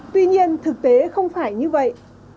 tuy nhiên thực tế không phải như vậy